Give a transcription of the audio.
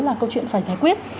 là câu chuyện phải giải quyết